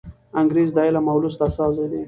انګریز د علم او لوست استازی دی.